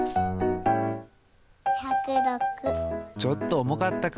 ちょっとおもかったか。